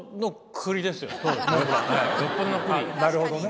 あっなるほどね。